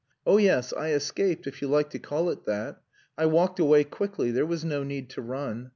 "Oh yes! I escaped, if you like to call it that. I walked away quickly. There was no need to run.